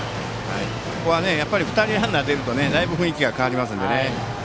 ここは２人ランナーが出るとだいぶ雰囲気が変わりますからね。